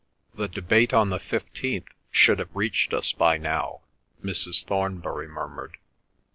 "The debate on the fifteenth should have reached us by now," Mrs. Thornbury murmured.